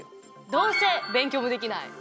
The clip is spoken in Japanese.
どうせ勉強もできない。